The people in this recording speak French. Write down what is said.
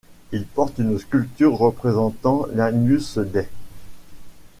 Il porte une sculpture représentant l’Agnus Dei.